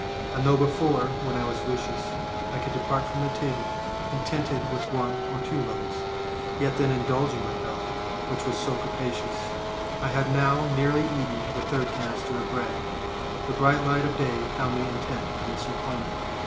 And though before, when I was Lucius, I could de part from table, contented with one or two loaves, yet then in dulging my belly, which was so capacious, I had now nearly eaten the third canister of bread. The bright light of day found me intent on this employment.